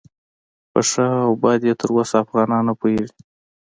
په ښه او بد یې تر اوسه افغانان نه پوهیږي.